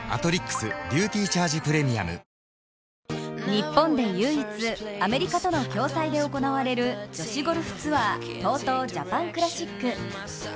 日本で唯一、アメリカとの共催で行われる女子ゴルフツアーＴＯＴＯジャパンクラシック。